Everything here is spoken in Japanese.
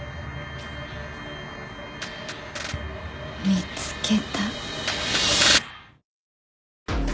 見つけた。